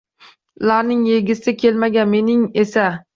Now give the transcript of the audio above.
Ularning yegisi kelmagan, mening esa…